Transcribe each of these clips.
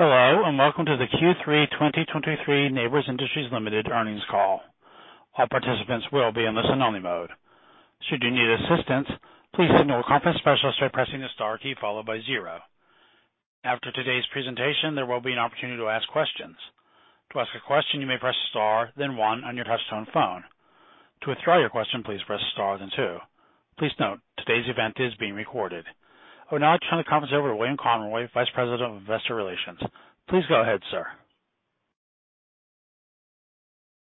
Hello, and welcome to the Q3 2023 Nabors Industries Limited earnings call. All participants will be in listen-only mode. Should you need assistance, please signal a conference specialist by pressing the star key followed by zero. After today's presentation, there will be an opportunity to ask questions. To ask a question, you may press star, then one on your touch-tone phone. To withdraw your question, please press star, then two. Please note, today's event is being recorded. I would now like to turn the conference over to William Conroy, Vice President of Investor Relations. Please go ahead, sir.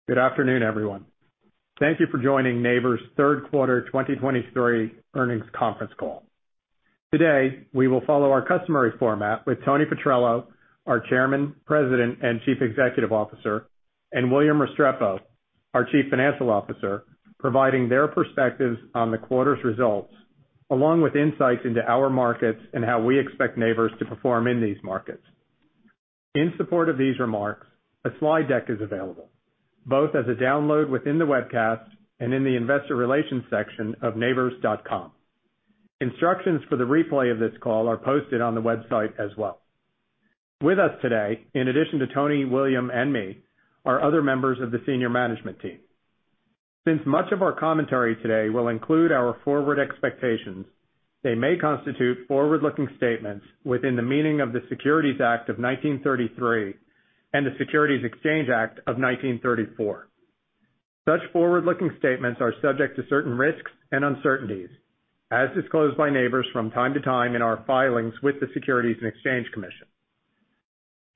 Good afternoon, everyone. Thank you for joining Nabors' third quarter 2023 earnings conference call. Today, we will follow our customary format with Tony Petrello, our Chairman, President, and Chief Executive Officer, and William Restrepo, our Chief Financial Officer, providing their perspectives on the quarter's results, along with insights into our markets and how we expect Nabors to perform in these markets. In support of these remarks, a slide deck is available, both as a download within the webcast and in the investor relations section of nabors.com. Instructions for the replay of this call are posted on the website as well. With us today, in addition to Tony, William, and me, are other members of the senior management team. Since much of our commentary today will include our forward expectations, they may constitute forward-looking statements within the meaning of the Securities Act of 1933 and the Securities Exchange Act of 1934. Such forward-looking statements are subject to certain risks and uncertainties, as disclosed by Nabors from time to time in our filings with the Securities and Exchange Commission.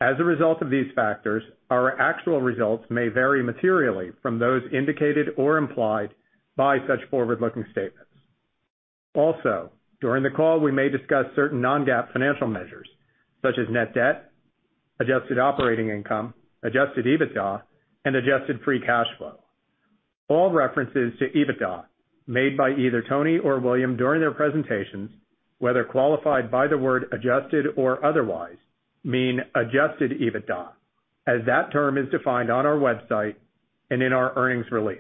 As a result of these factors, our actual results may vary materially from those indicated or implied by such forward-looking statements. Also, during the call, we may discuss certain non-GAAP financial measures, such as net debt, adjusted operating income, adjusted EBITDA, and adjusted free cash flow. All references to EBITDA made by either Tony or William during their presentations, whether qualified by the word adjusted or otherwise, mean adjusted EBITDA, as that term is defined on our website and in our earnings release.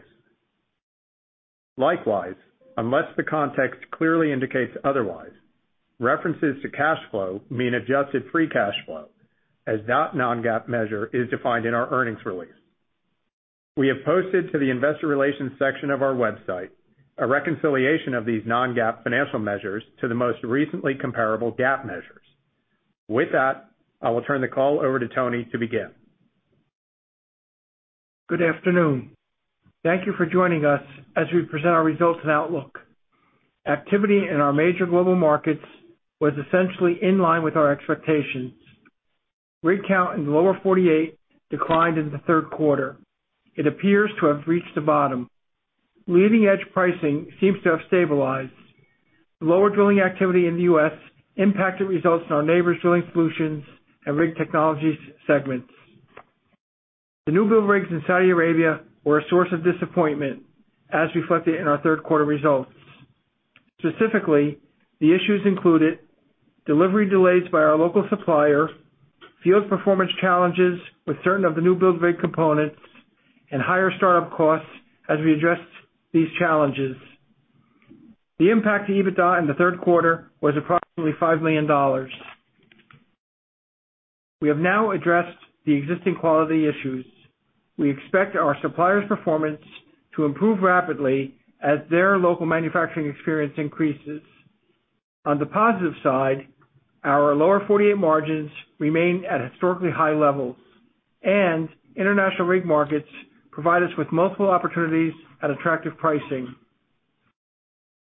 Likewise, unless the context clearly indicates otherwise, references to cash flow mean adjusted free cash flow, as that non-GAAP measure is defined in our earnings release. We have posted to the investor relations section of our website a reconciliation of these non-GAAP financial measures to the most recently comparable GAAP measures. With that, I will turn the call over to Tony to begin. Good afternoon. Thank you for joining us as we present our results and outlook. Activity in our major global markets was essentially in line with our expectations. Rig count in the Lower 48 declined in the third quarter. It appears to have reached the bottom. Leading-edge pricing seems to have stabilized. Lower drilling activity in the U.S. impacted results in our Nabors Drilling Solutions and Rig Technologies segments. The newbuild rigs in Saudi Arabia were a source of disappointment, as reflected in our third quarter results. Specifically, the issues included delivery delays by our local supplier, field performance challenges with certain of the newbuild rig components, and higher startup costs as we addressed these challenges. The impact to EBITDA in the third quarter was approximately $5 million. We have now addressed the existing quality issues. We expect our supplier's performance to improve rapidly as their local manufacturing experience increases. On the positive side, our Lower 48 margins remain at historically high levels, and international rig markets provide us with multiple opportunities at attractive pricing.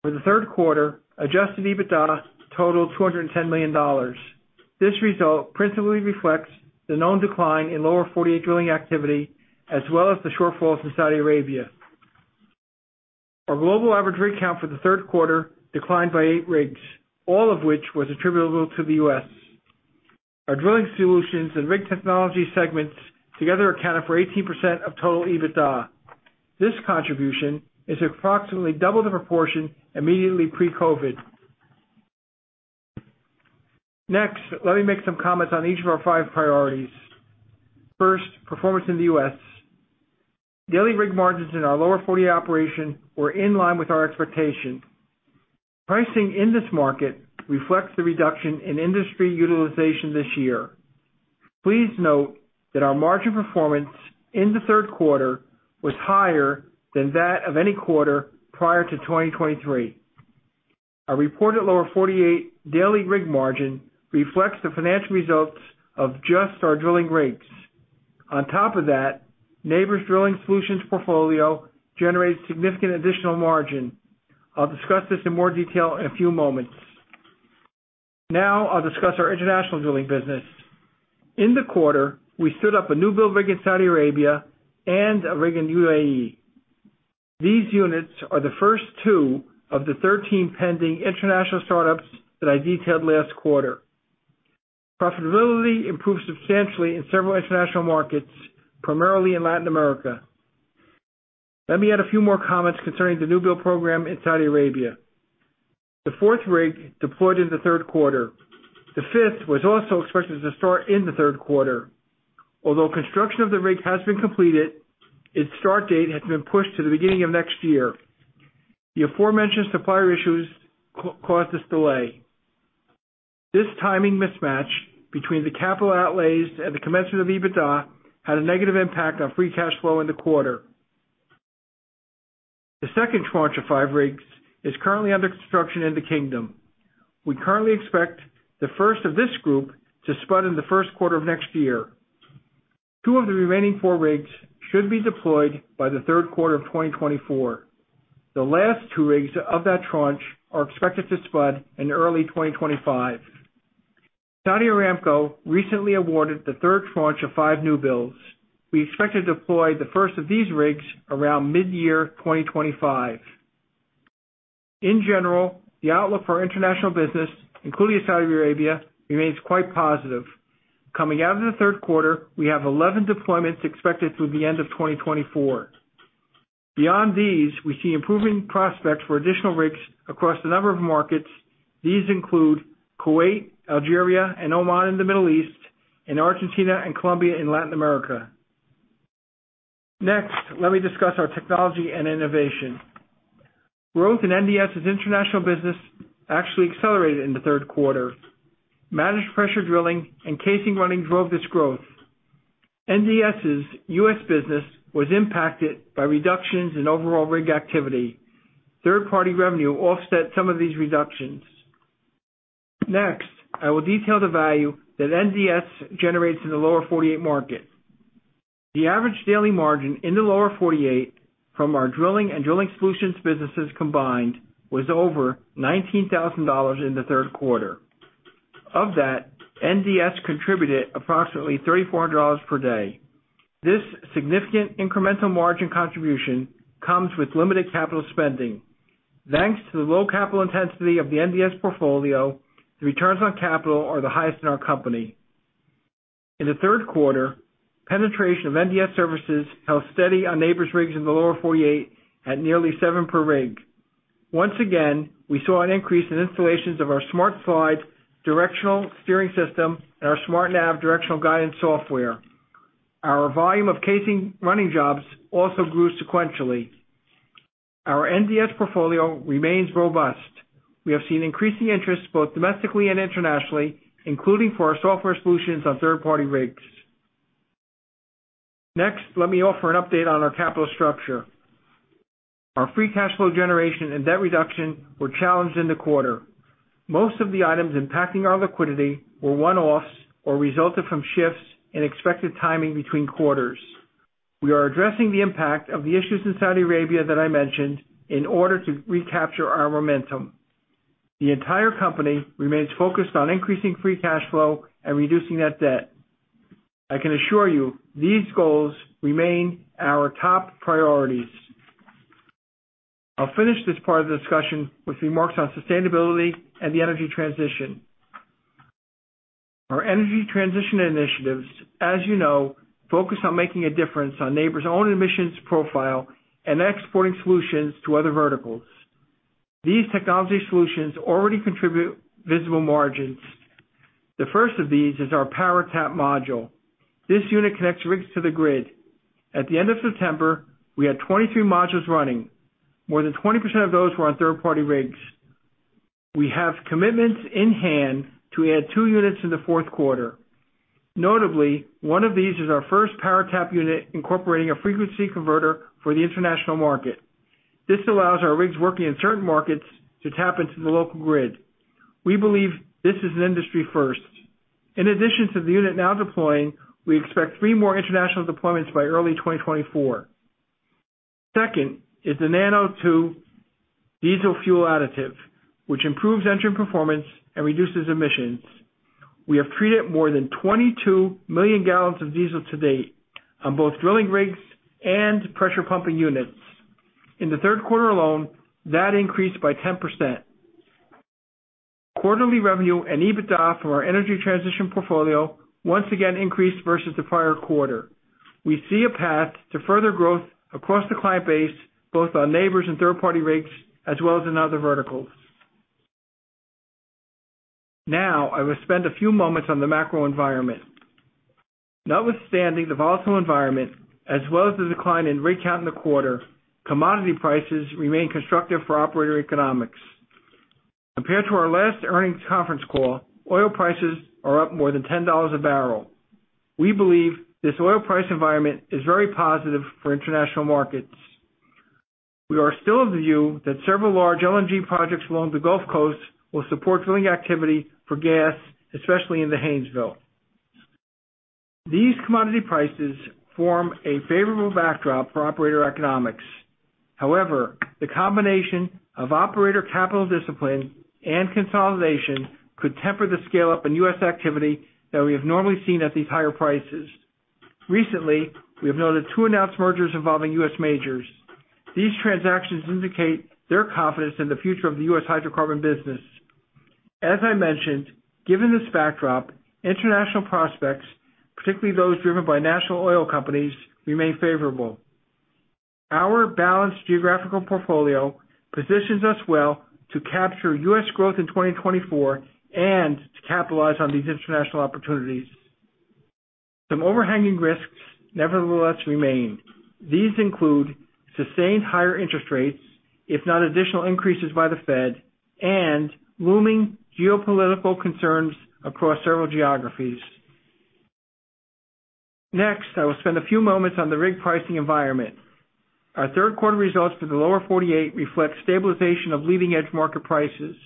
For the third quarter, adjusted EBITDA totaled $210 million. This result principally reflects the known decline in Lower 48 drilling activity, as well as the shortfalls in Saudi Arabia. Our global average rig count for the third quarter declined by eight rigs, all of which was attributable to the U.S. Our Drilling Solutions and Rig Technology segments together accounted for 18% of total EBITDA. This contribution is approximately double the proportion immediately pre-COVID. Next, let me make some comments on each of our five priorities. First, performance in the U.S. Daily rig margins in our Lower 48 operation were in line with our expectations. Pricing in this market reflects the reduction in industry utilization this year. Please note that our margin performance in the third quarter was higher than that of any quarter prior to 2023. Our reported Lower 48 daily rig margin reflects the financial results of just our drilling rigs. On top of that, Nabors Drilling Solutions portfolio generates significant additional margin. I'll discuss this in more detail in a few moments. Now, I'll discuss our international drilling business. In the quarter, we stood up a newbuild rig in Saudi Arabia and a rig in UAE. These units are the first two of the 13 pending international startups that I detailed last quarter. Profitability improved substantially in several international markets, primarily in Latin America. Let me add a few more comments concerning the newbuild program in Saudi Arabia. The fourth rig deployed in the third quarter. The fifth was also expected to start in the third quarter. Although construction of the rig has been completed, its start date has been pushed to the beginning of next year. The aforementioned supplier issues caused this delay. This timing mismatch between the capital outlays and the commencement of EBITDA had a negative impact on free cash flow in the quarter. The second tranche of five rigs is currently under construction in the kingdom. We currently expect the first of this group to spud in the first quarter of next year. Two of the remaining four rigs should be deployed by the third quarter of 2024. The last two rigs of that tranche are expected to spud in early 2025. Saudi Aramco recently awarded the third tranche of five new builds. We expect to deploy the first of these rigs around mid-year 2025. In general, the outlook for international business, including Saudi Arabia, remains quite positive. Coming out of the third quarter, we have 11 deployments expected through the end of 2024. Beyond these, we see improving prospects for additional rigs across a number of markets. These include Kuwait, Algeria, and Oman in the Middle East, and Argentina and Colombia in Latin America. Next, let me discuss our technology and innovation. Growth in NDS's international business actually accelerated in the third quarter. Managed Pressure Drilling and Casing Running drove this growth. NDS's U.S. business was impacted by reductions in overall rig activity. Third-party revenue offset some of these reductions. Next, I will detail the value that NDS generates in the Lower 48 market. The average daily margin in the Lower 48 from our drilling and drilling solutions businesses combined, was over $19,000 in the third quarter. Of that, NDS contributed approximately $3,400 per day. This significant incremental margin contribution comes with limited capital spending. Thanks to the low capital intensity of the NDS portfolio, the returns on capital are the highest in our company. In the third quarter, penetration of NDS services held steady on Nabors' rigs in the Lower 48 at nearly seven per rig. Once again, we saw an increase in installations of our SmartSLIDE directional steering system and our SmartNAV directional guidance software. Our volume of casing running jobs also grew sequentially. Our NDS portfolio remains robust. We have seen increasing interest both domestically and internationally, including for our software solutions on third-party rigs. Next, let me offer an update on our capital structure. Our free cash flow generation and debt reduction were challenged in the quarter. Most of the items impacting our liquidity were one-offs or resulted from shifts in expected timing between quarters. We are addressing the impact of the issues in Saudi Arabia that I mentioned in order to recapture our momentum. The entire company remains focused on increasing free cash flow and reducing that debt. I can assure you these goals remain our top priorities. I'll finish this part of the discussion with remarks on sustainability and the energy transition. Our energy transition initiatives, as you know, focus on making a difference on Nabors' own emissions profile and exporting solutions to other verticals. These technology solutions already contribute visible margins. The first of these is our PowerTAP module. This unit connects rigs to the grid. At the end of September, we had 22 modules running. More than 20% of those were on third-party rigs. We have commitments in hand to add two units in the fourth quarter. Notably, one of these is our first PowerTAP unit, incorporating a frequency converter for the international market. This allows our rigs working in certain markets to tap into the local grid. We believe this is an industry first. In addition to the unit now deploying, we expect three more international deployments by early 2024. Second is the nanO2 diesel fuel additive, which improves engine performance and reduces emissions. We have treated more than 22 million gallons of diesel to date on both drilling rigs and pressure pumping units. In the third quarter alone, that increased by 10%. Quarterly revenue and EBITDA from our energy transition portfolio once again increased versus the prior quarter. We see a path to further growth across the client base, both on Nabors and third-party rigs, as well as in other verticals. Now, I will spend a few moments on the macro environment. Notwithstanding the volatile environment, as well as the decline in rig count in the quarter, commodity prices remain constructive for operator economics. Compared to our last earnings conference call, oil prices are up more than $10 a barrel. We believe this oil price environment is very positive for international markets. We are still of the view that several large LNG projects along the Gulf Coast will support drilling activity for gas, especially in the Haynesville. These commodity prices form a favorable backdrop for operator economics. However, the combination of operator capital discipline and consolidation could temper the scale-up in U.S. activity that we have normally seen at these higher prices. Recently, we have noted two announced mergers involving U.S. majors. These transactions indicate their confidence in the future of the U.S. hydrocarbon business. As I mentioned, given this backdrop, international prospects, particularly those driven by national oil companies, remain favorable. Our balanced geographical portfolio positions us well to capture U.S. growth in 2024 and to capitalize on these international opportunities. Some overhanging risks nevertheless remain. These include sustained higher interest rates, if not additional increases by the Fed, and looming geopolitical concerns across several geographies. Next, I will spend a few moments on the rig pricing environment. Our third quarter results for the Lower 48 reflect stabilization of leading-edge market prices.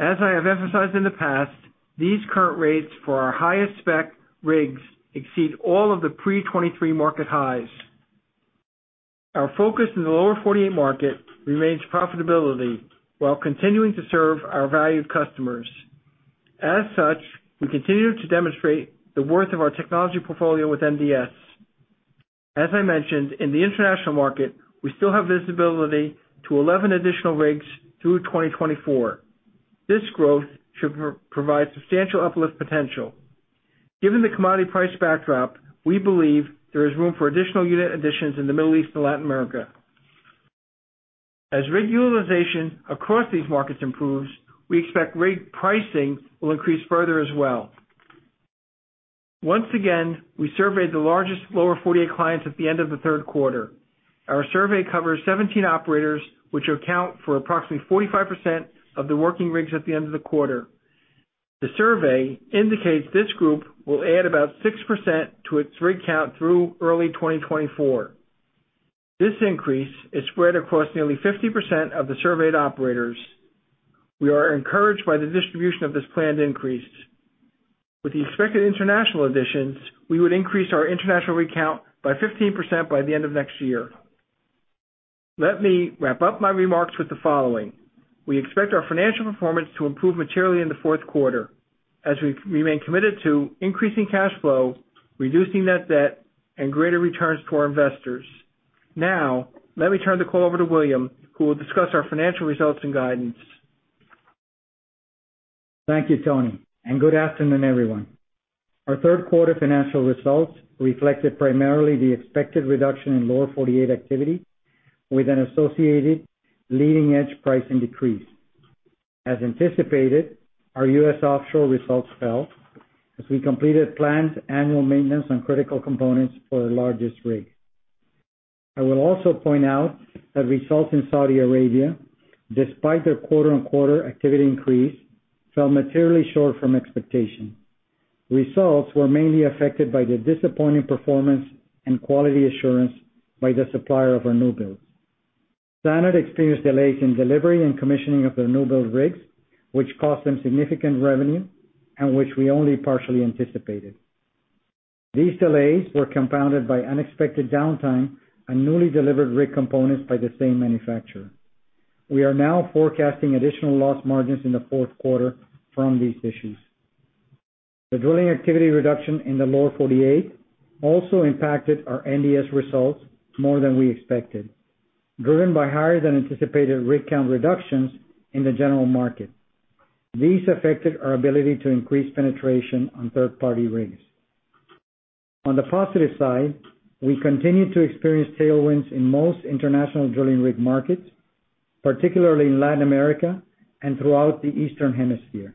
As I have emphasized in the past, these current rates for our highest spec rigs exceed all of the pre-2023 market highs. Our focus in the Lower 48 market remains profitability, while continuing to serve our valued customers. As such, we continue to demonstrate the worth of our technology portfolio with NDS. As I mentioned, in the international market, we still have visibility to 11 additional rigs through 2024. This growth should provide substantial uplift potential. Given the commodity price backdrop, we believe there is room for additional unit additions in the Middle East and Latin America. As rig utilization across these markets improves, we expect rig pricing will increase further as well. Once again, we surveyed the largest Lower 48 clients at the end of the third quarter. Our survey covers 17 operators, which account for approximately 45% of the working rigs at the end of the quarter. The survey indicates this group will add about 6% to its rig count through early 2024. This increase is spread across nearly 50% of the surveyed operators. We are encouraged by the distribution of this planned increase. With the expected international additions, we would increase our international rig count by 15% by the end of next year. Let me wrap up my remarks with the following: We expect our financial performance to improve materially in the fourth quarter, as we remain committed to increasing cash flow, reducing net debt, and greater returns to our investors. Now, let me turn the call over to William, who will discuss our financial results and guidance. Thank you, Tony, and good afternoon, everyone. Our third quarter financial results reflected primarily the expected reduction in Lower 48 activity, with an associated leading-edge pricing decrease. As anticipated, our US offshore results fell as we completed planned annual maintenance on critical components for the largest rig. I will also point out that results in Saudi Arabia, despite their quarter-on-quarter activity increase, fell materially short from expectation. Results were mainly affected by the disappointing performance and quality assurance by the supplier of our newbuilds. SANAD experienced delays in delivery and commissioning of their newbuild rigs, which cost them significant revenue and which we only partially anticipated. These delays were compounded by unexpected downtime on newly delivered rig components by the same manufacturer. We are now forecasting additional loss margins in the fourth quarter from these issues. The drilling activity reduction in the Lower 48 also impacted our NDS results more than we expected, driven by higher-than-anticipated rig count reductions in the general market. These affected our ability to increase penetration on third-party rigs. On the positive side, we continued to experience tailwinds in most international drilling rig markets, particularly in Latin America and throughout the Eastern Hemisphere.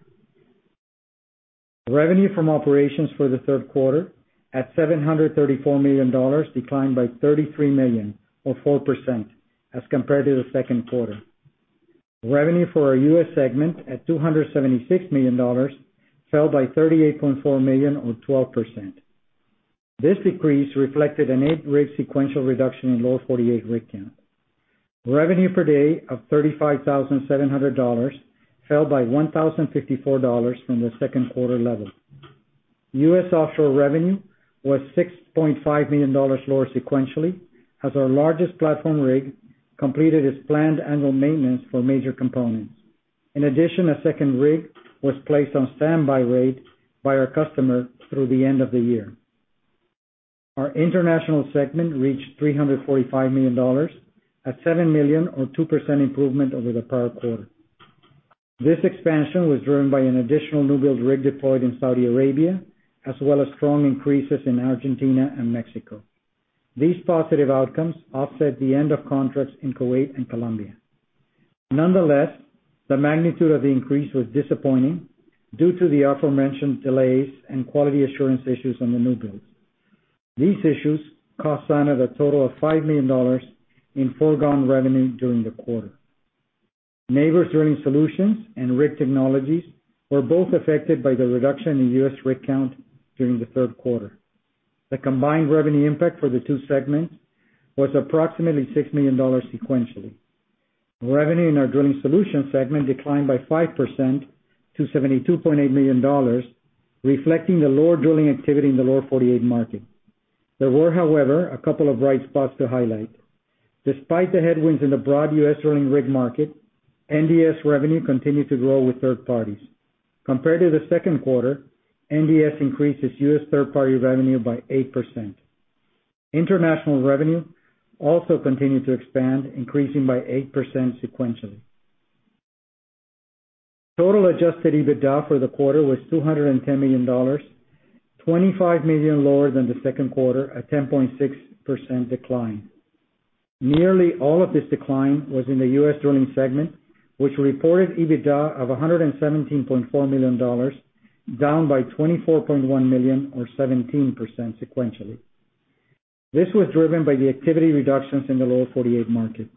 Revenue from operations for the third quarter, at $734 million, declined by $33 million, or 4%, as compared to the second quarter. Revenue for our U.S. segment, at $276 million, fell by $38.4 million, or 12%. This decrease reflected an 8-rig sequential reduction in Lower 48 rig count. Revenue per day of $35,700 fell by $1,054 from the second quarter level. U.S. offshore revenue was $6.5 million lower sequentially, as our largest platform rig completed its planned annual maintenance for major components. In addition, a second rig was placed on standby rate by our customer through the end of the year. Our international segment reached $345 million, a $7 million, or 2%, improvement over the prior quarter. This expansion was driven by an additional newbuild rig deployed in Saudi Arabia, as well as strong increases in Argentina and Mexico. These positive outcomes offset the end of contracts in Kuwait and Colombia. Nonetheless, the magnitude of the increase was disappointing due to the aforementioned delays and quality assurance issues on the newbuilds. These issues cost SANAD a total of $5 million in foregone revenue during the quarter. Nabors Drilling Solutions and Rig Technologies were both affected by the reduction in U.S. rig count during the third quarter. The combined revenue impact for the two segments was approximately $6 million sequentially. Revenue in our Drilling Solutions segment declined by 5% to $72.8 million, reflecting the lower drilling activity in the Lower 48 market. There were, however, a couple of bright spots to highlight. Despite the headwinds in the broad U.S. drilling rig market, NDS revenue continued to grow with third parties. Compared to the second quarter, NDS increased its U.S. third-party revenue by 8%. International revenue also continued to expand, increasing by 8% sequentially. Total Adjusted EBITDA for the quarter was $210 million, $25 million lower than the second quarter, a 10.6% decline. Nearly all of this decline was in the U.S. drilling segment, which reported EBITDA of $117.4 million, down by $24.1 million or 17% sequentially. This was driven by the activity reductions in the Lower 48 market.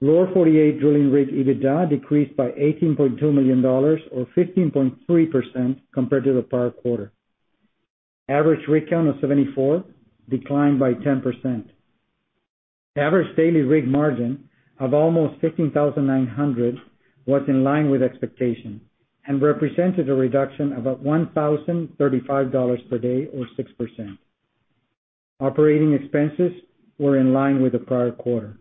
Lower 48 drilling rig EBITDA decreased by $18.2 million, or 15.3% compared to the prior quarter. Average rig count of 74 declined by 10%. Average daily rig margin of almost $15,900 was in line with expectations and represented a reduction of about $1,035 per day or 6%. Operating expenses were in line with the prior quarter.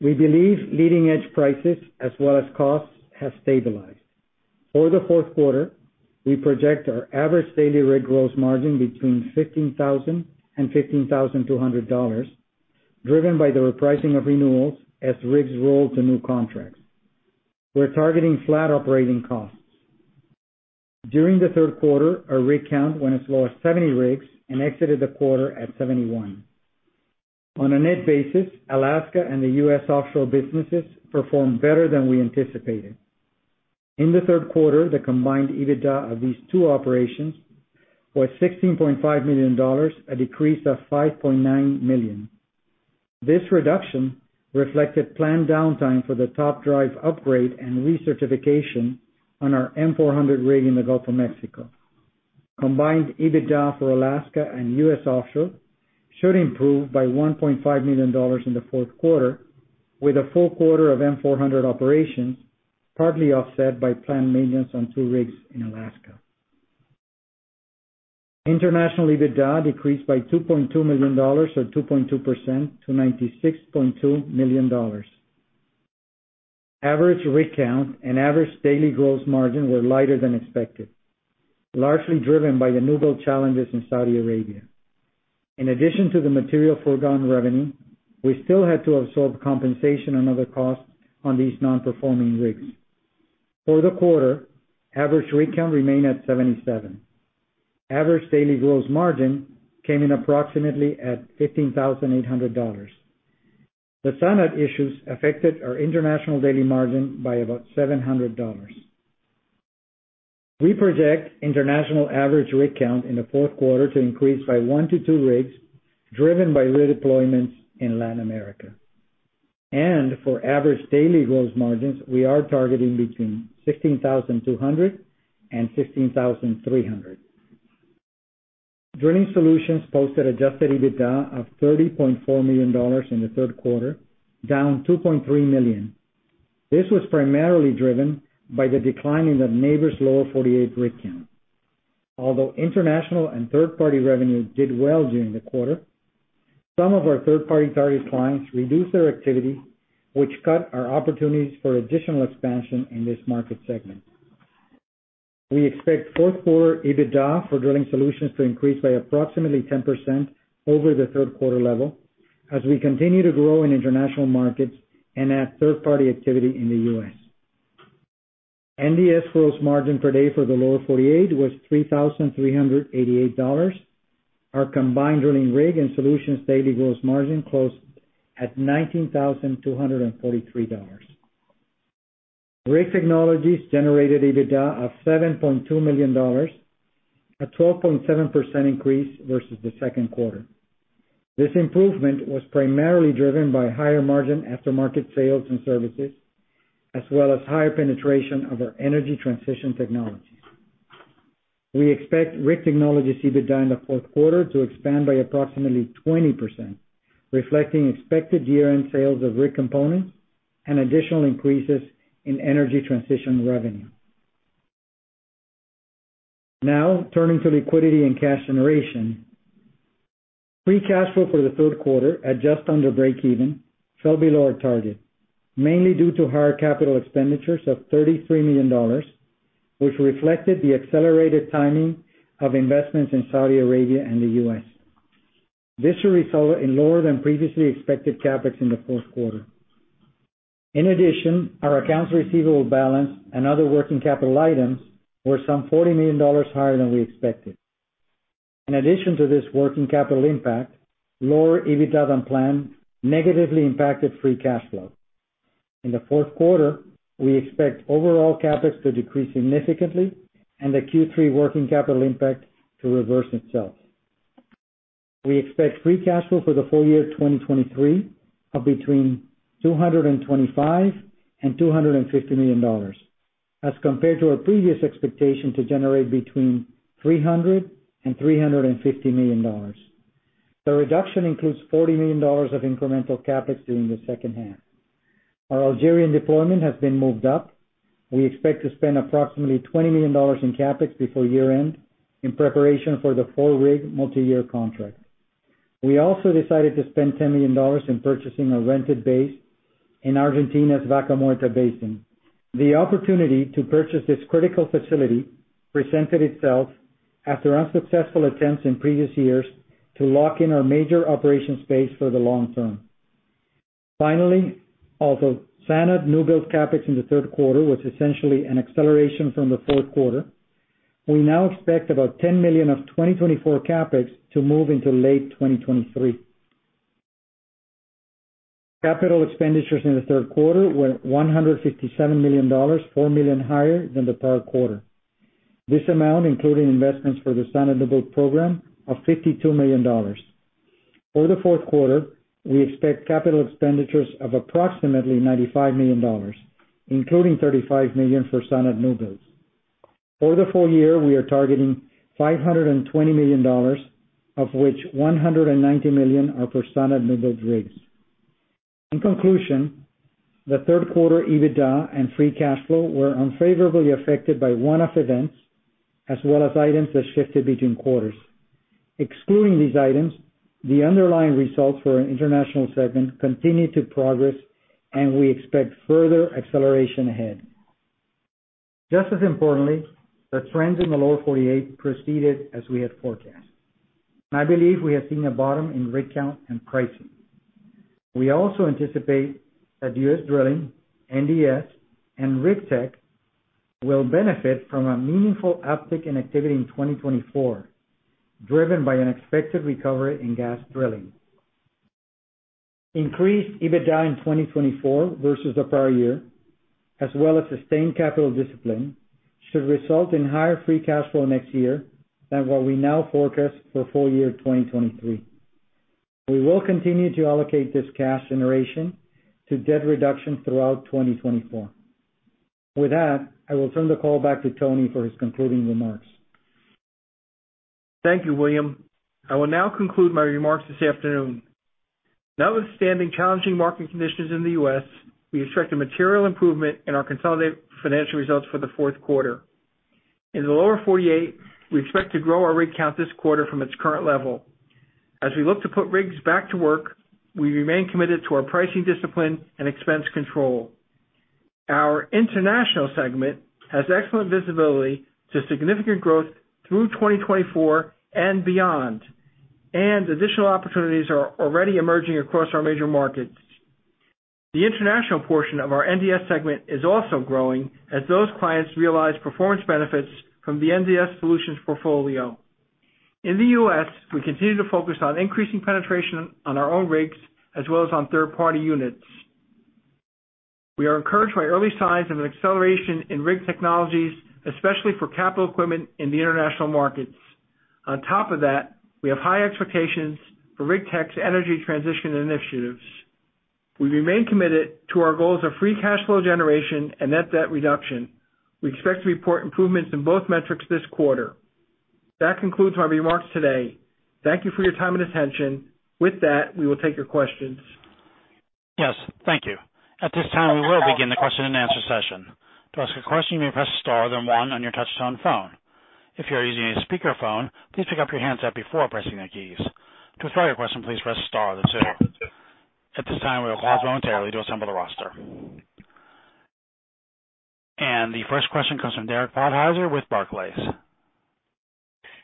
We believe leading-edge prices as well as costs have stabilized. For the fourth quarter, we project our average daily rig gross margin between $15,000 and $15,200, driven by the repricing of renewals as rigs roll to new contracts. We're targeting flat operating costs. During the third quarter, our rig count went as low as 70 rigs and exited the quarter at 71. On a net basis, Alaska and the U.S. offshore businesses performed better than we anticipated. In the third quarter, the combined EBITDA of these two operations was $16.5 million, a decrease of $5.9 million. This reduction reflected planned downtime for the Top Drive upgrade and recertification on our M400 rig in the Gulf of Mexico. Combined EBITDA for Alaska and US Offshore should improve by $1.5 million in the fourth quarter, with a full quarter of M400 operations, partly offset by planned maintenance on two rigs in Alaska. International EBITDA decreased by $2.2 million, or 2.2% to $96.2 million. Average rig count and average daily gross margin were lighter than expected, largely driven by the newbuild challenges in Saudi Arabia. In addition to the material foregone revenue, we still had to absorb compensation and other costs on these non-performing rigs. For the quarter, average rig count remained at 77. Average daily gross margin came in approximately at $15,800. The stand-out issues affected our international daily margin by about $700. We project international average rig count in the fourth quarter to increase by 1-2 rigs, driven by redeployments in Latin America. For average daily gross margins, we are targeting between $16,200 and $16,300. Drilling Solutions posted adjusted EBITDA of $30.4 million in the third quarter, down $2.3 million. This was primarily driven by the decline in the Nabors' Lower 48 rig count. Although international and third-party revenue did well during the quarter, some of our third-party target clients reduced their activity, which cut our opportunities for additional expansion in this market segment. We expect fourth quarter EBITDA for Drilling Solutions to increase by approximately 10% over the third quarter level as we continue to grow in international markets and add third-party activity in the U.S. NDS gross margin per day for the Lower 48 was $3,388. Our combined drilling rig and solutions daily gross margin closed at $19,243. Rig Technologies generated EBITDA of $7.2 million, a 12.7% increase versus the second quarter. This improvement was primarily driven by higher margin aftermarket sales and services, as well as higher penetration of our energy transition technologies. We expect Rig Technologies EBITDA in the fourth quarter to expand by approximately 20%, reflecting expected year-end sales of rig components and additional increases in energy transition revenue. Now, turning to liquidity and cash generation. Free cash flow for the third quarter, at just under breakeven, fell below our target, mainly due to higher capital expenditures of $33 million, which reflected the accelerated timing of investments in Saudi Arabia and the U.S. This should result in lower than previously expected CapEx in the fourth quarter. In addition, our accounts receivable balance and other working capital items were some $40 million higher than we expected. In addition to this working capital impact, lower EBITDA than planned negatively impacted free cash flow. In the fourth quarter, we expect overall CapEx to decrease significantly and the Q3 working capital impact to reverse itself. We expect free cash flow for the full year 2023 of between $225 million and $250 million, as compared to our previous expectation to generate between $300 million and $350 million. The reduction includes $40 million of incremental CapEx during the second half. Our Algerian deployment has been moved up. We expect to spend approximately $20 million in CapEx before year-end in preparation for the four-rig multi-year contract. We also decided to spend $10 million in purchasing a rented base in Argentina's Vaca Muerta Basin. The opportunity to purchase this critical facility presented itself after unsuccessful attempts in previous years to lock in our major operation space for the long term. Finally, although SANAD newbuilds CapEx in the third quarter was essentially an acceleration from the fourth quarter, we now expect about $10 million of 2024 CapEx to move into late 2023. Capital expenditures in the third quarter were $157 million, $4 million higher than the prior quarter. This amount, including investments for the SANAD newbuild program, of $52 million. For the fourth quarter, we expect capital expenditures of approximately $95 million, including $35 million for SANAD new builds. For the full year, we are targeting $520 million, of which $190 million are for SANAD newbuild rigs. In conclusion, the third quarter EBITDA and free cash flow were unfavorably affected by one-off events, as well as items that shifted between quarters. Excluding these items, the underlying results for our international segment continued to progress, and we expect further acceleration ahead. Just as importantly, the trends in the Lower 48 proceeded as we had forecast, and I believe we have seen a bottom in rig count and pricing. We also anticipate that U.S. Drilling, NDS, and RigTech will benefit from a meaningful uptick in activity in 2024, driven by an expected recovery in gas drilling. Increased EBITDA in 2024 versus the prior year, as well as sustained capital discipline, should result in higher free cash flow next year than what we now forecast for full year 2023. We will continue to allocate this cash generation to debt reduction throughout 2024. With that, I will turn the call back to Tony for his concluding remarks. Thank you, William. I will now conclude my remarks this afternoon. Notwithstanding challenging market conditions in the U.S., we expect a material improvement in our consolidated financial results for the fourth quarter. In the Lower 48, we expect to grow our rig count this quarter from its current level. As we look to put rigs back to work, we remain committed to our pricing discipline and expense control. Our international segment has excellent visibility to significant growth through 2024 and beyond, and additional opportunities are already emerging across our major markets. The international portion of our NDS segment is also growing, as those clients realize performance benefits from the NDS solutions portfolio. In the U.S., we continue to focus on increasing penetration on our own rigs as well as on third-party units. We are encouraged by early signs of an acceleration in Rig Technologies, especially for capital equipment in the international markets. On top of that, we have high expectations for RigTech's energy transition initiatives. We remain committed to our goals of free cash flow generation and net debt reduction. We expect to report improvements in both metrics this quarter. That concludes my remarks today. Thank you for your time and attention. With that, we will take your questions. Yes, thank you. At this time, we will begin the question and answer session. To ask a question, you may press star, then one on your touchtone phone. If you are using a speakerphone, please pick up your handset before pressing the keys. To withdraw your question, please press star then two. At this time, we will pause momentarily to assemble the roster. The first question comes from Derek Podhaizer with Barclays.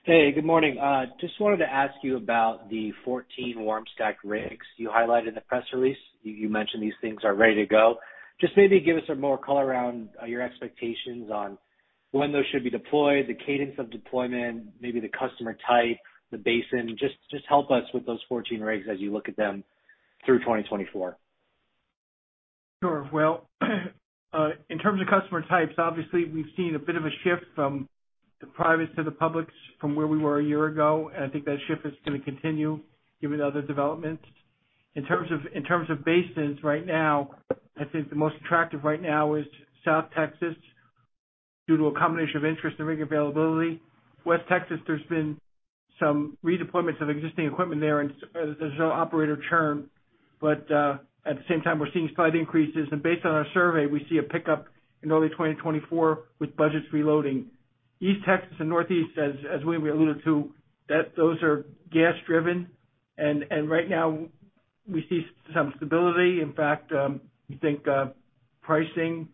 Hey, good morning. Just wanted to ask you about the 14 warm-stacked rigs you highlighted in the press release. You mentioned these things are ready to go. Just maybe give us some more color around your expectations on when those should be deployed, the cadence of deployment, maybe the customer type, the basin. Just help us with those 14 rigs as you look at them through 2024. Sure. Well, in terms of customer types, obviously we've seen a bit of a shift from the privates to the publics from where we were a year ago, and I think that shift is gonna continue given other developments. In terms of basins right now, I think the most attractive right now is South Texas, due to a combination of interest and rig availability. West Texas, there's been some redeployments of existing equipment there, and there's no operator churn. But at the same time, we're seeing slight increases, and based on our survey, we see a pickup in early 2024 with budgets reloading. East Texas and Northeast, as William alluded to, those are gas driven, and right now we see some stability. In fact, we think pricing,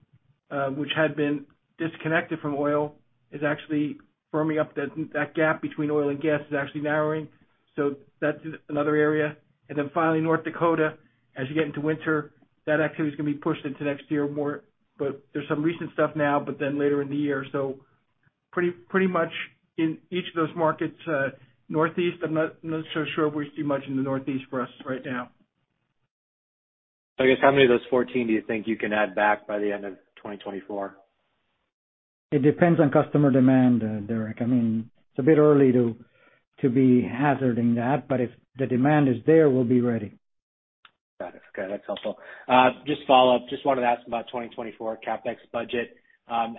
which had been disconnected from oil, is actually firming up. That gap between oil and gas is actually narrowing, so that's another area. And then finally, North Dakota, as you get into winter, that activity is gonna be pushed into next year more. But there's some recent stuff now, but then later in the year. So pretty, pretty much in each of those markets, Northeast, I'm not so sure we see much in the Northeast for us right now. I guess, how many of those 14 do you think you can add back by the end of 2024? It depends on customer demand, Derek. I mean, it's a bit early to be hazarding that, but if the demand is there, we'll be ready. Got it. Okay, that's helpful. Just follow up, just wanted to ask about 2024 CapEx budget.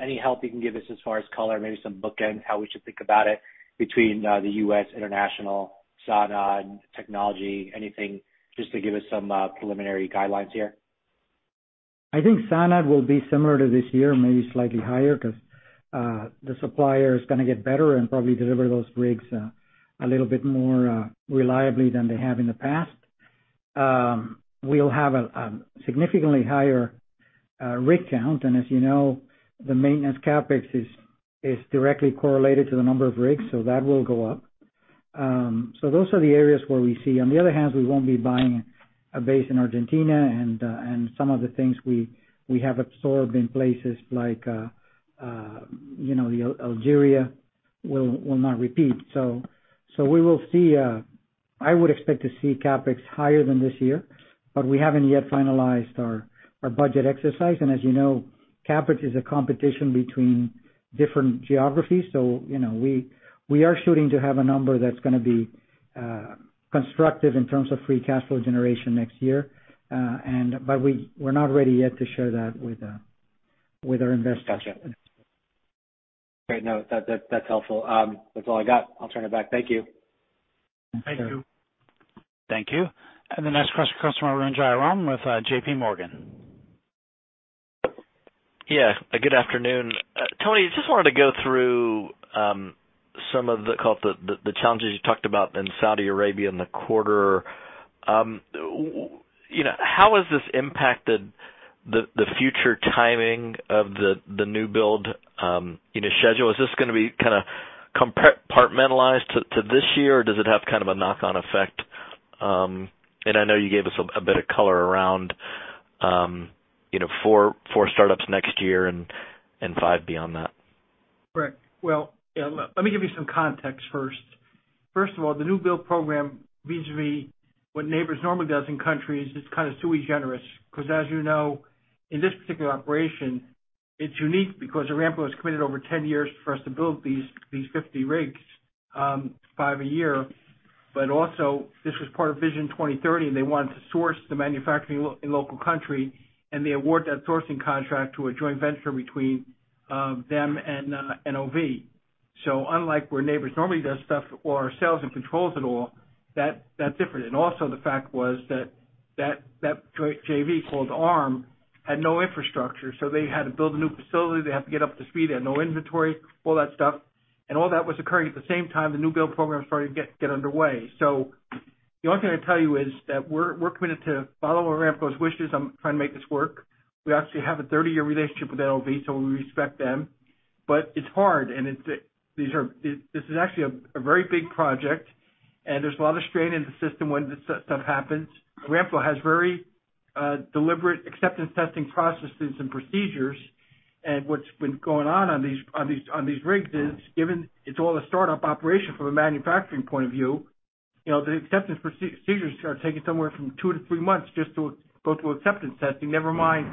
Any help you can give us as far as color, maybe some bookends, how we should think about it between, the U.S., international, SANAD, technology, anything, just to give us some, preliminary guidelines here? I think SANAD will be similar to this year, maybe slightly higher, because the supplier is gonna get better and probably deliver those rigs a little bit more reliably than they have in the past. We'll have a significantly higher rig count, and as you know, the maintenance CapEx is directly correlated to the number of rigs, so that will go up. Those are the areas where we see. On the other hand, we won't be buying a base in Argentina, and some of the things we have absorbed in places like Algeria will not repeat. We will see, I would expect to see CapEx higher than this year, but we haven't yet finalized our budget exercise, and as you know, CapEx is a competition between different geographies. So, you know, we are shooting to have a number that's gonna be constructive in terms of free cash flow generation next year. But we're not ready yet to share that with our investors. Gotcha. Great. No, that, that's helpful. That's all I got. I'll turn it back. Thank you. Thank you. Thank you. And the next question comes from Arun Jayaram, with JPMorgan. Yeah, good afternoon. Tony, just wanted to go through some of the, call it, the challenges you talked about in Saudi Arabia in the quarter. You know, how has this impacted the future timing of the new build, you know, schedule? Is this gonna be kind of compartmentalized to this year, or does it have kind of a knock-on effect? And I know you gave us a bit of color around, you know, four startups next year and five beyond that. Correct. Well, yeah, let me give you some context first. First of all, the new build program vis-a-vis what Nabors normally does in countries, it's kind of sui generis, 'cause as you know, in this particular operation, it's unique because Aramco has committed over 10 years for us to build these 50 rigs, five a year. But also, this was part of Vision 2030, and they wanted to source the manufacturing in local country, and they award that sourcing contract to a joint venture between them and NOV. So unlike where Nabors normally does stuff or sales and controls it all, that's different. And also, the fact was that joint JV, called ARM, had no infrastructure. So they had to build a new facility. They have to get up to speed. They had no inventory, all that stuff, and all that was occurring at the same time the new build program was starting to get underway. So the only thing I can tell you is that we're committed to follow Aramco's wishes on trying to make this work. We actually have a 30-year relationship with NOV, so we respect them, but it's hard and it's, these are, this is actually a very big project, and there's a lot of strain in the system when this stuff happens. Aramco has very deliberate acceptance testing processes and procedures, and what's been going on on these, on these, on these rigs is, given it's all a startup operation from a manufacturing point of view, you know, the acceptance procedures are taking somewhere from two to three months just to go through acceptance testing, never mind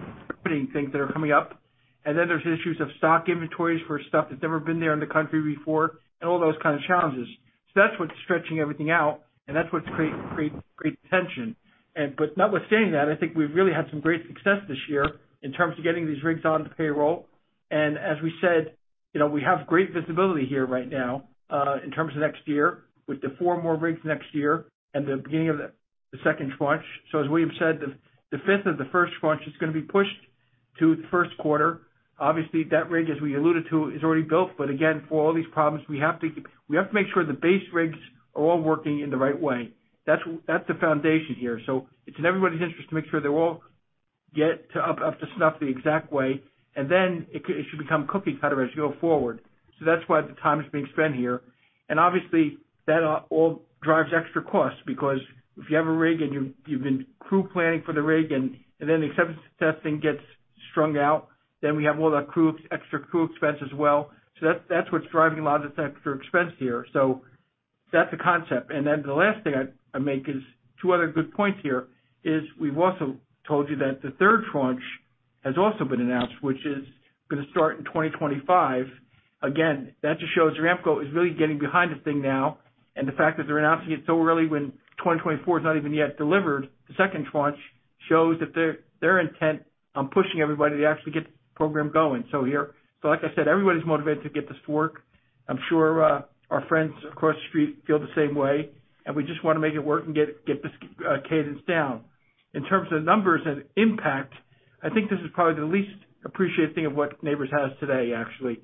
putting things that are coming up. And then there's issues of stock inventories for stuff that's never been there in the country before, and all those kind of challenges. So that's what's stretching everything out, and that's what's creating, creating, creating tension. But notwithstanding that, I think we've really had some great success this year in terms of getting these rigs onto payroll. As we said, you know, we have great visibility here right now in terms of next year, with the four more rigs next year and the beginning of the second tranche. So as William said, the fifth of the first tranche is gonna be pushed to the first quarter. Obviously, that rig, as we alluded to, is already built, but again, for all these problems, we have to make sure the base rigs are all working in the right way. That's the foundation here. So it's in everybody's interest to make sure they all get up to snuff the exact way, and then it should become cookie cutter as you go forward. So that's why the time is being spent here. And obviously, that all drives extra costs, because if you have a rig and you've been crew planning for the rig, and then the acceptance testing gets strung out, then we have all that crew, extra crew expense as well. So that's what's driving a lot of this extra expense here. So that's the concept. And then the last thing I'd make is two other good points here, is we've also told you that the third tranche has also been announced, which is gonna start in 2025. Again, that just shows Aramco is really getting behind the thing now, and the fact that they're announcing it so early when 2024 is not even yet delivered, the second tranche, shows that they're intent on pushing everybody to actually get the program going. So like I said, everybody's motivated to get this to work. I'm sure our friends across the street feel the same way, and we just wanna make it work and get this cadence down. In terms of numbers and impact, I think this is probably the least appreciated thing of what Nabors has today, actually.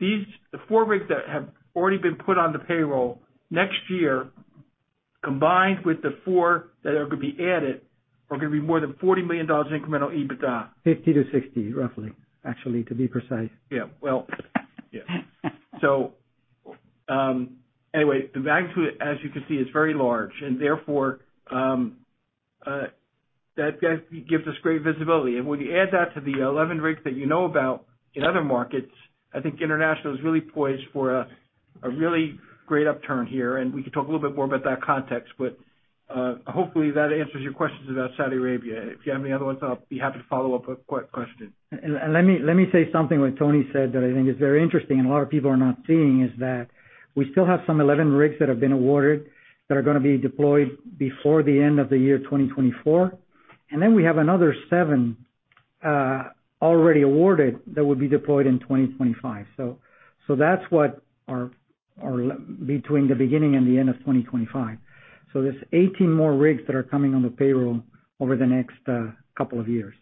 These, the four rigs that have already been put on the payroll next year, combined with the four that are gonna be added, are gonna be more than $40 million in incremental EBITDA. 50-60, roughly, actually, to be precise. Yeah. Well, yeah. So, anyway, the value to it, as you can see, is very large, and therefore, that, that gives us great visibility. And when you add that to the 11 rigs that you know about in other markets, I think international is really poised for a really great upturn here, and we can talk a little bit more about that context. But, hopefully, that answers your questions about Saudi Arabia. If you have any other ones, I'll be happy to follow up with quick question. Let me say something, what Tony said that I think is very interesting and a lot of people are not seeing, is that we still have some 11 rigs that have been awarded that are gonna be deployed before the end of the year 2024, and then we have another seven already awarded that will be deployed in 2025. That's what our, our l- between the beginning and the end of 2025. There's 18 more rigs that are coming on the payroll over the next couple of years.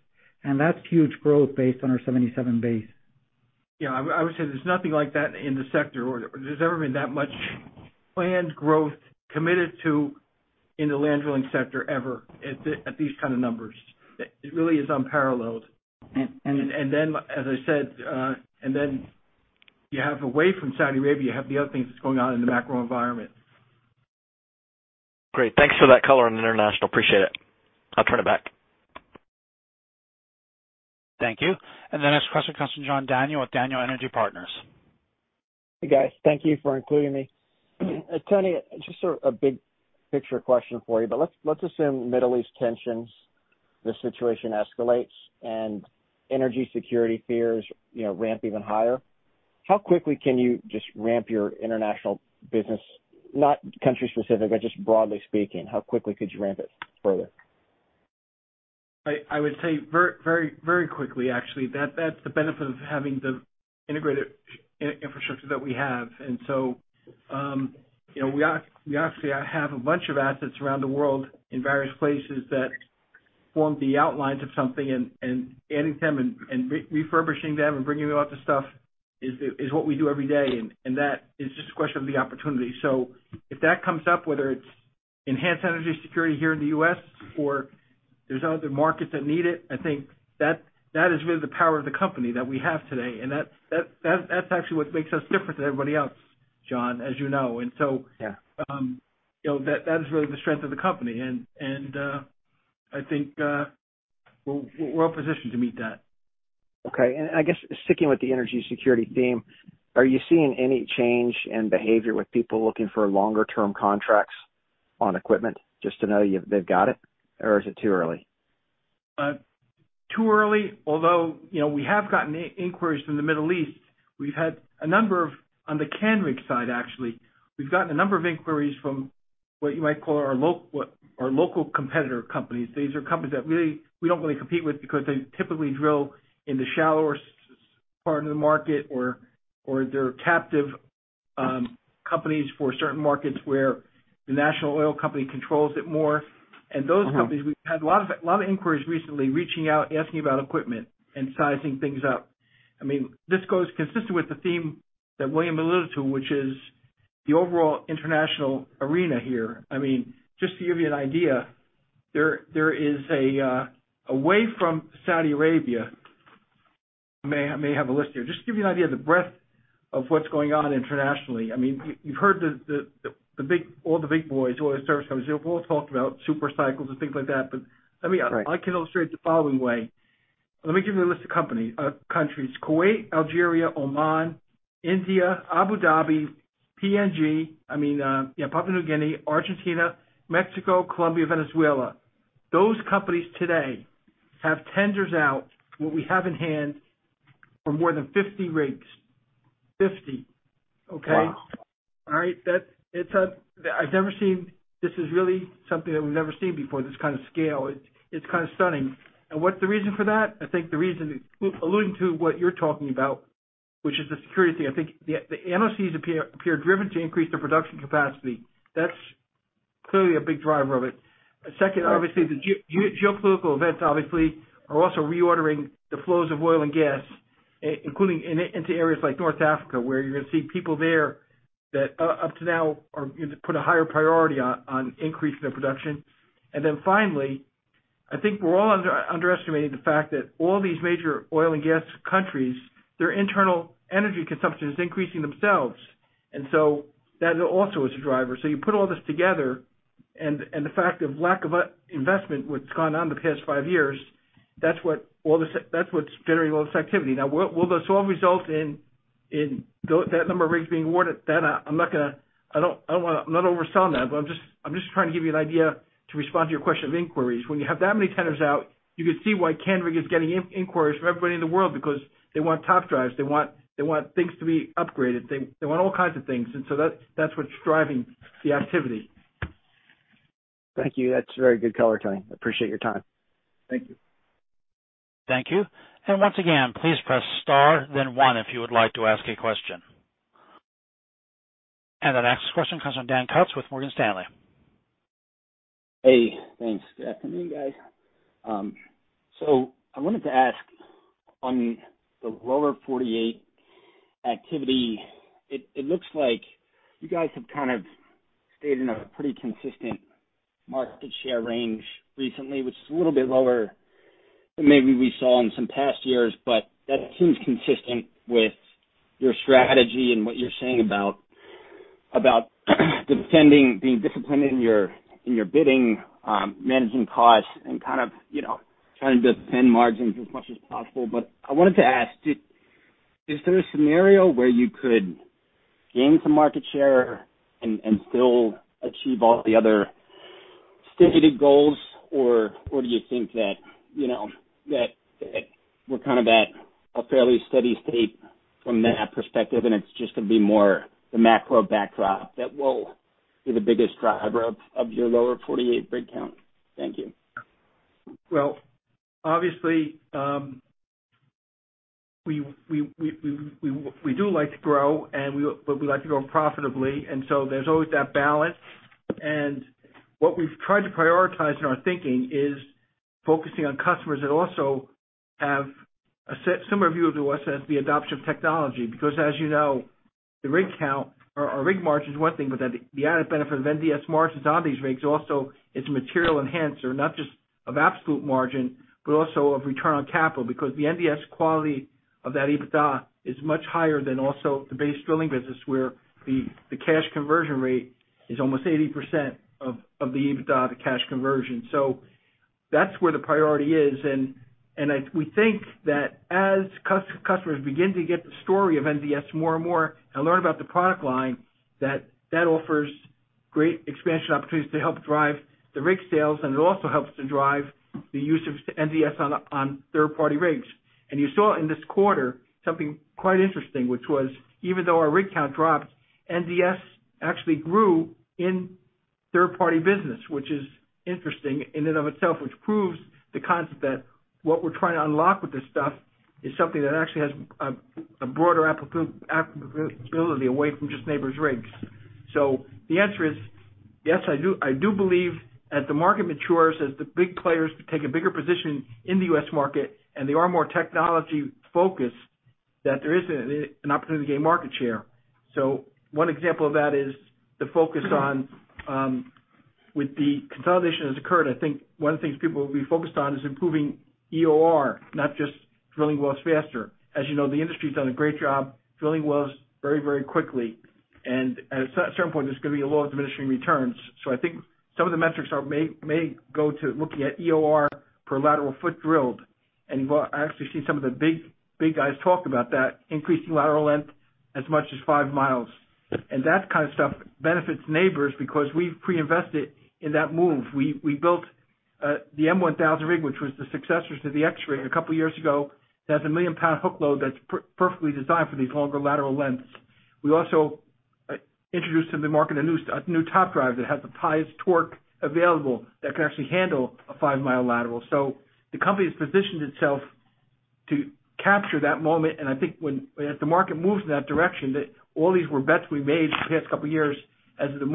That's huge growth based on our 77 base. Yeah, I would say there's nothing like that in the sector, or there's ever been that much planned growth committed to in the land drilling sector ever, at these kind of numbers. It really is unparalleled. And- As I said, and then you have, away from Saudi Arabia, you have the other things that's going on in the macro environment. Great. Thanks for that color on international. Appreciate it. I'll turn it back. Thank you. The next question comes from John Daniel with Daniel Energy Partners. Hey, guys. Thank you for including me. Tony, just a big picture question for you, but let's assume Middle East tensions, the situation escalates, and energy security fears, you know, ramp even higher. How quickly can you just ramp your international business, not country specific, but just broadly speaking, how quickly could you ramp it further? I would say very, very quickly, actually. That's the benefit of having the integrated infrastructure that we have. And so, you know, we actually have a bunch of assets around the world in various places that form the outlines of something, and adding them and refurbishing them and bringing them up to snuff is what we do every day. And that is just a question of the opportunity. So if that comes up, whether it's enhanced energy security here in the U.S. or there's other markets that need it, I think that is really the power of the company that we have today, and that that's actually what makes us different than everybody else, John, as you know. And so- Yeah. You know, that is really the strength of the company. And, I think, we're well positioned to meet that. Okay. And I guess sticking with the energy security theme, are you seeing any change in behavior with people looking for longer term contracts on equipment, just to know you know they've got it? Or is it too early? Too early, although, you know, we have gotten inquiries from the Middle East. We've had a number of, on the Canrig side, actually, we've gotten a number of inquiries from what you might call our local competitor companies. These are companies that we don't really compete with because they typically drill in the shallower part of the market or they're captive companies for certain markets where the national oil company controls it more. Mm-hmm. Those companies, we've had a lot of, lot of inquiries recently, reaching out, asking about equipment and sizing things up. I mean, this goes consistent with the theme that William alluded to, which is the overall international arena here. I mean, just to give you an idea, there, there is a, away from Saudi Arabia. I may, I may have a list here. Just to give you an idea of the breadth of what's going on internationally, I mean, you've heard the big, all the big boys, oil service companies, they've all talked about super cycles and things like that. But let me- Right. I can illustrate it the following way. Let me give you a list of companies, countries: Kuwait, Algeria, Oman, India, Abu Dhabi, PNG, I mean, Papua New Guinea, Argentina, Mexico, Colombia, Venezuela. Those companies today have tenders out, what we have in hand, for more than 50 rigs. 50, okay? Wow! All right, that it's, I've never seen... This is really something that we've never seen before, this kind of scale. It's, it's kind of stunning. And what's the reason for that? I think the reason, alluding to what you're talking about, which is the security thing, I think the, the NOCs appear, appear driven to increase their production capacity. That's clearly a big driver of it. Second, obviously, the geopolitical events obviously are also reordering the flows of oil and gas, including in, into areas like North Africa, where you're gonna see people there that up to now, are gonna put a higher priority on, on increasing their production. And then finally, I think we're all underestimating the fact that all these major oil and gas countries, their internal energy consumption is increasing themselves, and so that also is a driver. So you put all this together, and the fact of lack of investment, which has gone on in the past five years, that's what all this, that's what's generating all this activity. Now, will this all result in that number of rigs being awarded? That, I'm not gonna, I don't, I don't wanna, I'm not overselling that, but I'm just, I'm just trying to give you an idea, to respond to your question of inquiries. When you have that many tenders out, you can see why Canrig is getting inquiries from everybody in the world, because they want top drives, they want, they want things to be upgraded, they, they want all kinds of things, and so that, that's what's driving the activity. Thank you. That's a very good color, Tony. I appreciate your time. Thank you. Thank you. And once again, please press star, then one, if you would like to ask a question. And the next question comes from Dan Kutz with Morgan Stanley. Hey, thanks. Good afternoon, guys. So I wanted to ask on the Lower 48 activity. It looks like you guys have kind of stayed in a pretty consistent market share range recently, which is a little bit lower than maybe we saw in some past years, but that seems consistent with your strategy and what you're saying about defending, being disciplined in your bidding, managing costs, and kind of, you know, trying to defend margins as much as possible. But I wanted to ask, is there a scenario where you could gain some market share and still achieve all the other stated goals? Or, do you think that, you know, that we're kind of at a fairly steady state from that perspective, and it's just gonna be more the macro backdrop that will be the biggest driver of your Lower 48 rig count? Thank you. Well, obviously, we do like to grow, and but we like to grow profitably, and so there's always that balance. And what we've tried to prioritize in our thinking is focusing on customers that also have a similar view of the U.S. as the adoption of technology. Because, as you know, the rig count or rig margin is one thing, but then the added benefit of NDS margins on these rigs also is a material enhancer, not just of absolute margin, but also of return on capital. Because the NDS quality of that EBITDA is much higher than also the base drilling business, where the cash conversion rate is almost 80% of the EBITDA, the cash conversion. So that's where the priority is, and we think that as customers begin to get the story of NDS more and more, and learn about the product line, that that offers great expansion opportunities to help drive the rig sales, and it also helps to drive the use of NDS on, on third-party rigs. And you saw in this quarter something quite interesting, which was, even though our rig count dropped, NDS actually grew in third-party business, which is interesting in and of itself, which proves the concept that what we're trying to unlock with this stuff is something that actually has a, a broader applicability away from just Nabors' rigs. So the answer is, yes, I do, I do believe as the market matures, as the big players take a bigger position in the U.S. market, and they are more technology-focused, that there is an opportunity to gain market share. So one example of that is the focus on, with the consolidation that has occurred, I think one of the things people will be focused on is improving EOR, not just drilling wells faster. As you know, the industry's done a great job drilling wells very, very quickly. And at a certain point, there's gonna be a law of diminishing returns. So I think some of the metrics are, may go to looking at EOR per lateral foot drilled, and well, I actually see some of the big, big guys talk about that, increasing lateral length as much as five miles. That kind of stuff benefits Nabors because we've pre-invested in that move. We, we built the M1000 rig, which was the successor to the X-ray a couple years ago. It has a 1,000,000-pound hook load that's perfectly designed for these longer lateral lengths. We also introduced to the market a new top drive that has the highest torque available, that can actually handle a 5-mile lateral. The company has positioned itself to capture that moment, and I think when—as the market moves in that direction, that all these were bets we made the past couple of years. As the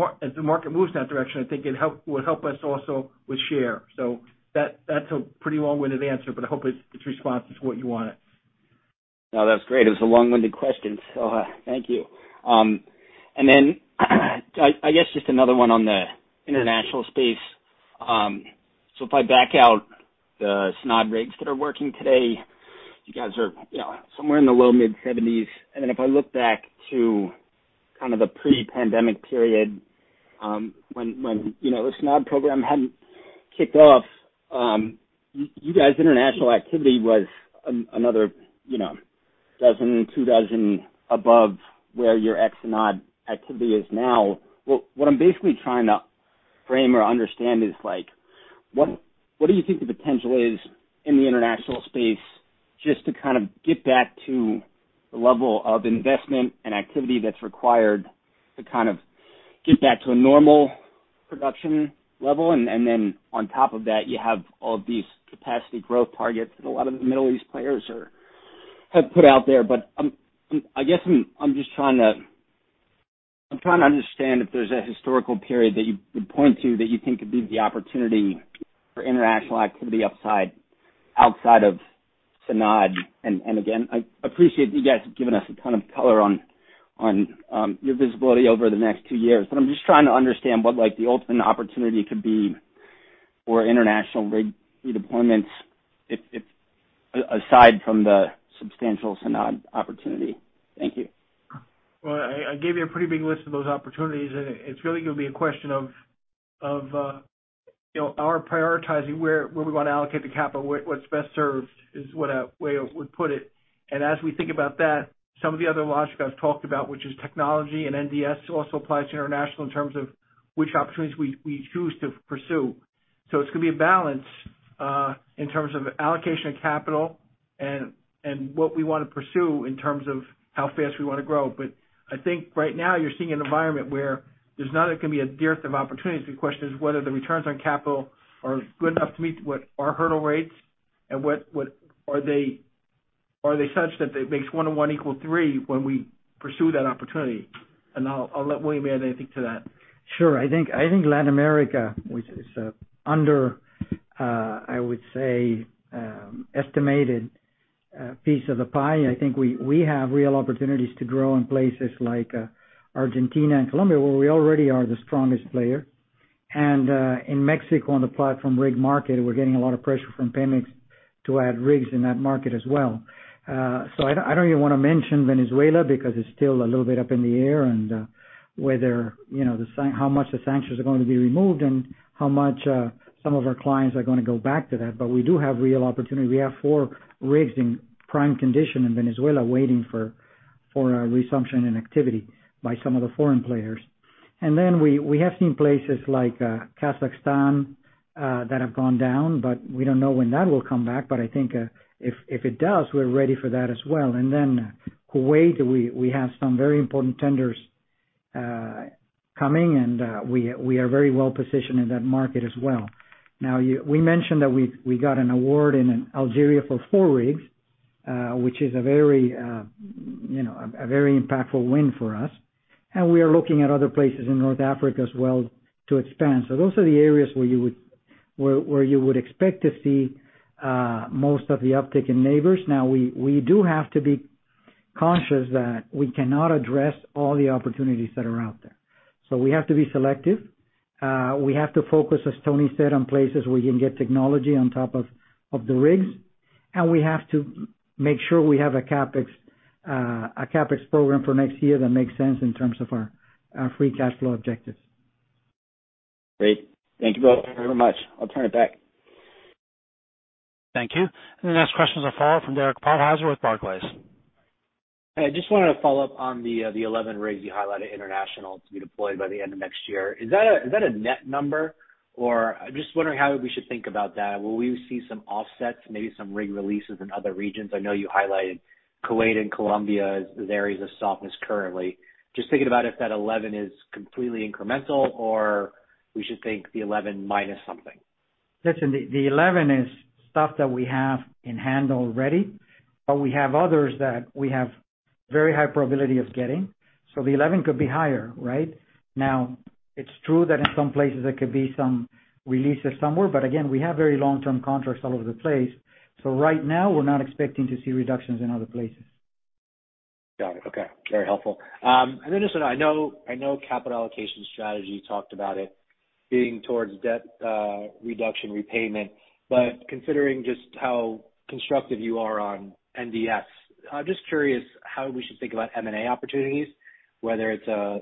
market moves in that direction, I think it help, will help us also with share. That's a pretty long-winded answer, but I hope it, its response is what you wanted. No, that's great. It was a long-winded question, so thank you. And then, I guess just another one on the international space. So if I back out the SANAD rigs that are working today, you guys are, you know, somewhere in the low-mid-70s. And then if I look back to kind of the pre-pandemic period, when, when, you know, the SANAD program hadn't kicked off, you guys' international activity was another, you know, dozen, two dozen above where your ex-SANAD activity is now. What I'm basically trying to frame or understand is, like, what do you think the potential is in the international space just to kind of get back to the level of investment and activity that's required to kind of get back to a normal production level? Then on top of that, you have all of these capacity growth targets that a lot of the Middle East players have put out there. But I'm just trying to understand if there's a historical period that you would point to that you think could be the opportunity for international activity upside, outside of SANAD. And again, I appreciate you guys have given us a ton of color on your visibility over the next two years, but I'm just trying to understand what, like, the ultimate opportunity could be for international rig redeployments aside from the substantial SANAD opportunity. Thank you. Well, I gave you a pretty big list of those opportunities, and it's really gonna be a question of you know our prioritizing where we want to allocate the capital, where what's best served is the way I would put it. And as we think about that, some of the other logic I've talked about, which is technology and NDS, also applies to international in terms of which opportunities we choose to pursue. So it's gonna be a balance in terms of allocation of capital and what we want to pursue in terms of how fast we want to grow. But I think right now, you're seeing an environment where there's not gonna be a dearth of opportunities. The question is whether the returns on capital are good enough to meet what our hurdle rates and what are they, are they such that it makes one on one equal three when we pursue that opportunity? And I'll let William add anything to that. Sure. I think Latin America, which is, I would say, an underestimated piece of the pie, I think we have real opportunities to grow in places like Argentina and Colombia, where we already are the strongest player. In Mexico, on the platform rig market, we're getting a lot of pressure from Pemex to add rigs in that market as well. I don't even want to mention Venezuela because it's still a little bit up in the air and whether, you know, how much the sanctions are going to be removed and how much some of our clients are going to go back to that, but we do have real opportunity. We have four rigs in prime condition in Venezuela waiting for a resumption in activity by some of the foreign players. And then we have seen places like Kazakhstan that have gone down, but we don't know when that will come back, but I think if it does, we're ready for that as well. And then Kuwait, we have some very important tenders coming, and we are very well positioned in that market as well. Now, we mentioned that we got an award in Algeria for four rigs, which is a very you know a very impactful win for us, and we are looking at other places in North Africa as well to expand. So those are the areas where you would expect to see most of the uptick in Nabors. Now, we do have to be conscious that we cannot address all the opportunities that are out there. So we have to be selective. We have to focus, as Tony said, on places where we can get technology on top of the rigs, and we have to make sure we have a CapEx program for next year that makes sense in terms of our free cash flow objectives. Great. Thank you both very much. I'll turn it back. Thank you. The next questions are follow-up from Derek Podhaizer with Barclays. Hi, I just wanted to follow up on the 11 rigs you highlighted international to be deployed by the end of next year. Is that a net number? Or I'm just wondering how we should think about that. Will we see some offsets, maybe some rig releases in other regions? I know you highlighted Kuwait and Colombia as areas of softness currently. Just thinking about if that 11 is completely incremental or we should think the 11- something. Listen, the 11 is stuff that we have in hand already, but we have others that we have very high probability of getting. So the 11 could be higher, right? Now, it's true that in some places there could be some releases somewhere, but again, we have very long-term contracts all over the place. So right now we're not expecting to see reductions in other places. Got it. Okay. Very helpful. And then just I know, I know capital allocation strategy talked about it being towards debt, reduction, repayment, but considering just how constructive you are on NDS, I'm just curious how we should think about M&A opportunities, whether it's a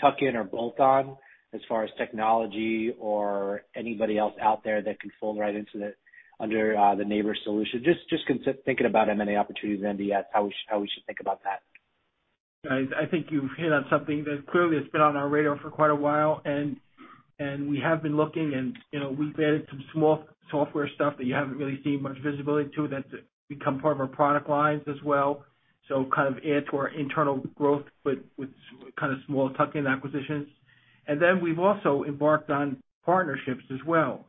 tuck-in or bolt-on, as far as technology or anybody else out there that can fold right into the, under, the Nabors solution. Just, just thinking about M&A opportunities and NDS, how we, how we should think about that. I think you've hit on something that clearly has been on our radar for quite a while, and we have been looking and, you know, we've added some small software stuff that you haven't really seen much visibility to, that become part of our product lines as well. Kind of add to our internal growth, but with kind of small tuck-in acquisitions. We've also embarked on partnerships as well.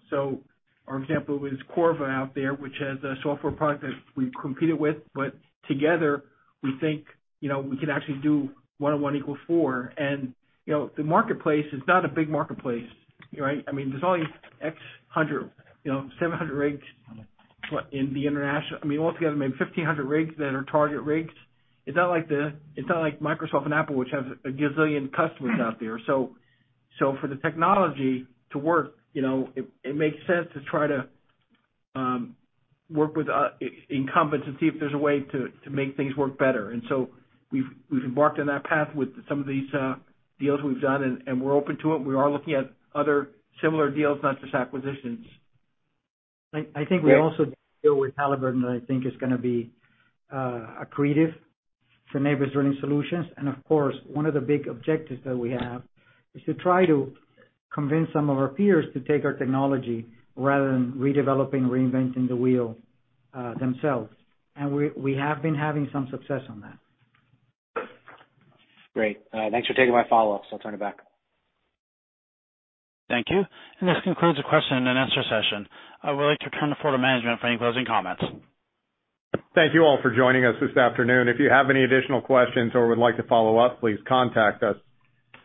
Our example is Corva out there, which has a software product that we competed with, but together, we think, you know, we can actually do one on one equal four. You know, the marketplace is not a big marketplace, right? I mean, there's only X hundred, you know, 700 rigs, what, in the international... I mean, altogether, maybe 1,500 rigs that are target rigs. It's not like, it's not like Microsoft and Apple, which have a gazillion customers out there. So, so for the technology to work, you know, it, it makes sense to try to work with incumbents and see if there's a way to, to make things work better. And so we've, we've embarked on that path with some of these deals we've done, and, and we're open to it. We are looking at other similar deals, not just acquisitions. I think we also deal with Halliburton, that I think is gonna be accretive for Nabors Drilling Solutions. And of course, one of the big objectives that we have is to try to convince some of our peers to take our technology rather than redeveloping, reinventing the wheel, themselves. And we have been having some success on that. Great. Thanks for taking my follow-ups. I'll turn it back. Thank you. This concludes the question and answer session. I would like to turn the floor to management for any closing comments. Thank you all for joining us this afternoon. If you have any additional questions or would like to follow up, please contact us.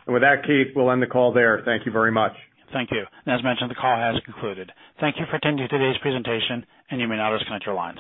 With that, Keith, we'll end the call there. Thank you very much. Thank you. As mentioned, the call has concluded. Thank you for attending today's presentation, and you may now disconnect your lines.